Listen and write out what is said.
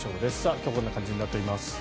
今日はこんな感じになっています。